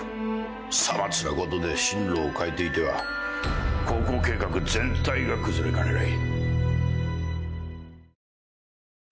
さまつなことで進路を変えていては航行計画全体が崩れかねない。